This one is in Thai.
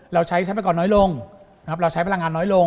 เราใช้ใช้ประกอบน้อยลงเราใช้พลังงานน้อยลง